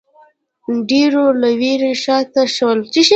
ډېرو له وېرې شا ته شول